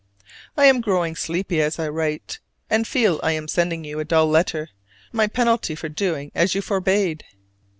I am growing sleepy as I write, and feel I am sending you a dull letter, my penalty for doing as you forbade.